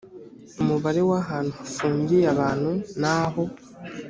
umubare w ahantu hafungiye abantu n aho